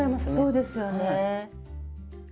そうですよね。